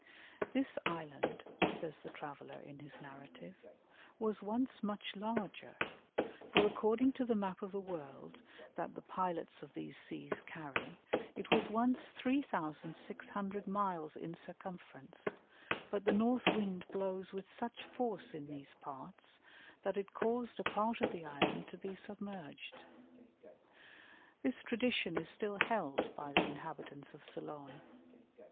"This island," says the traveller in his narrative, "was once much larger, for according to the map of the world that the pilots of these seas carry, it was once 3600 miles in circumference but the north wind blows with such force in these parts that it caused a part of the island to be submerged." This tradition is still held by the inhabitants of Ceylon.